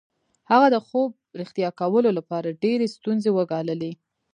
هغه د خوب رښتیا کولو لپاره ډېرې ستونزې وګاللې